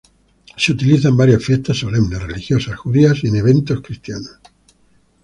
Se utiliza en varias fiestas solemnes religiosas judías y en eventos cristianos.